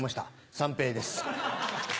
三平です。